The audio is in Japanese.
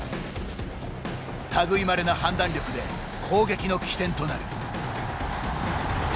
たぐいまれな判断力で攻撃の起点となる。